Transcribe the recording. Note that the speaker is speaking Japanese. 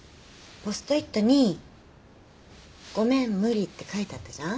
ポスト・イットに「ごめん無理」って書いてあったじゃん。